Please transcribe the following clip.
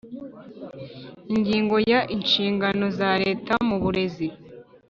Ingingo ya Inshingano za Leta mu burezi